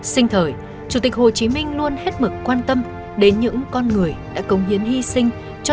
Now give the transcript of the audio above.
sinh thời chủ tịch hồ chí minh luôn hết mực quan tâm đến những con người đã công hiến hy sinh cho